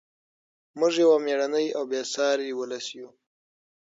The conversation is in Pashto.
موږ یو مېړنی او بې ساري ولس یو.